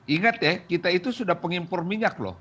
ingat ya kita itu sudah pengimpor minyak loh